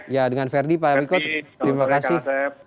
ya dengan verdi pak miko terima kasih